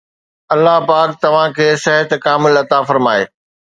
الله پاڪ توهان کي صحت کامل عطا فرمائي.